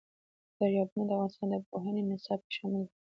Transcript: دریابونه د افغانستان د پوهنې نصاب کې شامل دي.